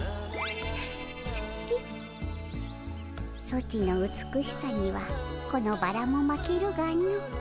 ソチの美しさにはこのバラも負けるがの。